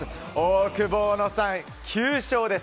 オオクボーノさん、９勝です。